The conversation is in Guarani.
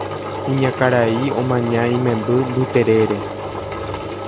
Kuñakarai omaña imemby mbyterére